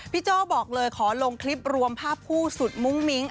โจ้บอกเลยขอลงคลิปรวมภาพคู่สุดมุ้งมิ้ง